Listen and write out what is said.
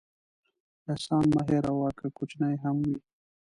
احسان مه هېروه، که کوچنی هم وي.